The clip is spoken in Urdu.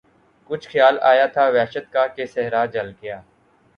کچھ خیال آیا تھا وحشت کا کہ صحرا جل گیا